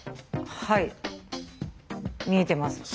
はい見えてます。